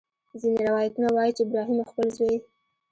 ځینې روایتونه وایي چې ابراهیم خپل زوی.